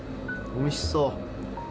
おいしそう。